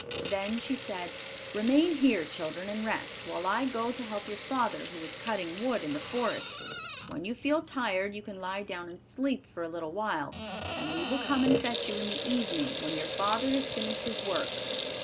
Then she said, "Remain here, children, and rest, while I go to help your father, who is cutting wood in the forest; when you feel tired, you can lie down and sleep for a little while, and we will come and fetch you in the evening, when your father has finished his work."